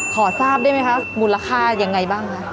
ขอทราบได้ไหมคะมูลค่ายังไงบ้างคะ